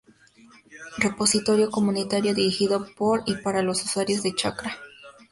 Repositorio comunitario dirigido por y para los usuarios de Chakra.